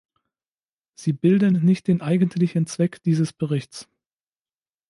Sie bilden nicht den eigentlichen Zweck dieses Berichts.